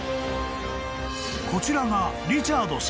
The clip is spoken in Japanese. ［こちらが］